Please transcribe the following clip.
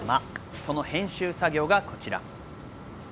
その編集作業がこちら。